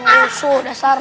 ah susu dasar